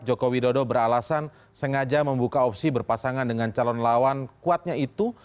jokowi dodo beralasan sengaja membuka opsi berpasangan dengan calon lawan kuatnya itu